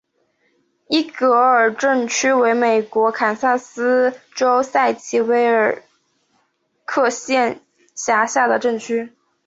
伊格尔镇区为美国堪萨斯州塞奇威克县辖下的镇区。